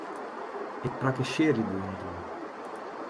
Ik prakkesearje der net oer!